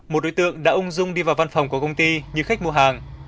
một đối tượng đã ung dung đi vào văn phòng của công ty như khách mua hàng